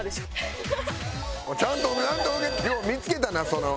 ちゃんとウケよう見付けたなその。